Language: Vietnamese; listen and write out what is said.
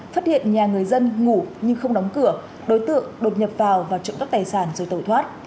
phát hiện nhà người dân ngủ nhưng không đóng cửa đối tượng đột nhập vào và trộm cắp tài sản rồi tẩu thoát